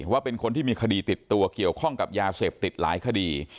ว่าเป็นคนที่มีคดีติดตัวเกี่ยวข้องกับยาเสพติดหลายคดี